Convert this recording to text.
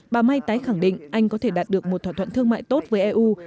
bà may tái khẳng định anh có thể đạt được một thỏa thuận thương mại tốt với eu